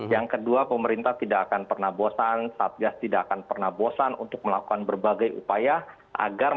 yang kedua pemerintah tidak akan pernah bosan satgas tidak akan pernah bosan untuk melakukan berbagai upaya agar